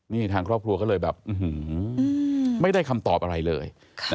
นี่ทางครอบครัวก็เลยแบบไม่ได้คำตอบอะไรเลย